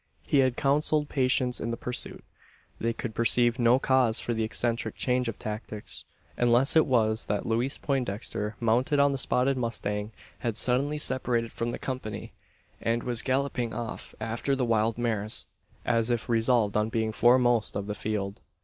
He had counselled patience in the pursuit. They could perceive no cause for the eccentric change of tactics, unless it was that Louise Poindexter, mounted on the spotted mustang, had suddenly separated from the company, and was galloping off after the wild mares, as if resolved on being foremost of the field!